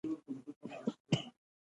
مالیه او ګټې په کې شاملېږي